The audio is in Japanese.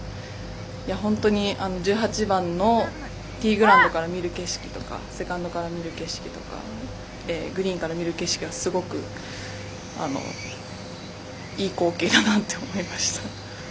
本当に１８番のティーグラウンドから見る景色とセカンドから見る景色とかグリーンから見る景色はすごくいい光景だなと思いました。